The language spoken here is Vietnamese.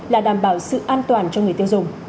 là đảm bảo sự an toàn cho người tiêu dùng